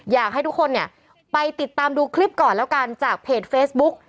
อยากให้ทุกคนเนี่ยไปติดตามดูคลิปก่อนแล้วกันจากเพจเฟซบุ๊ก